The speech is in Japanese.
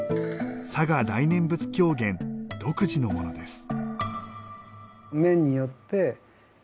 嵯峨大念佛狂言独自のものです。